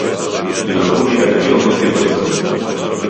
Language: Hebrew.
זכור לי עד היום הסרטון הזה